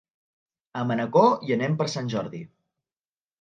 A Manacor hi anem per Sant Jordi.